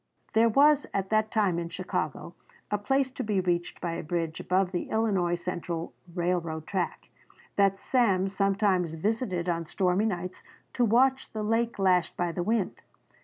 There was at that time in Chicago a place, to be reached by a bridge above the Illinois Central Railroad track, that Sam sometimes visited on stormy nights to watch the lake lashed by the wind.